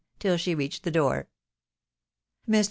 " tiU she reached the door. Mr.